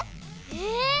え！？